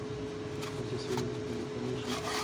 ایا زه سیوري ته کیناستلی شم؟